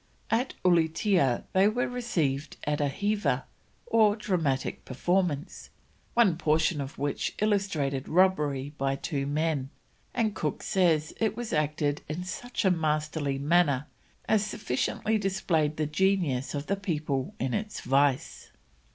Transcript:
At Ulietea they were received at a heava or dramatic performance, one portion of which illustrated robbery by two men, and Cook says it was acted "in such a masterly manner as sufficiently displayed the genius of the people in this vice."